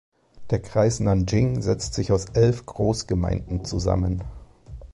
Der Kreis Nanjing setzt sich aus elf Großgemeinden zusammen.